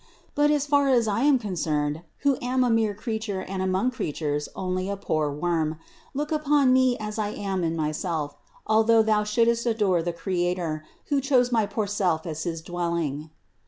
But as far as I am concerned, who am a mere creature and among creatures only a poor worm, look upon me as I am in myself, al though thou shouldst adore the Creator, who chose my THE INCARNATION 191 poor self as his dwelling.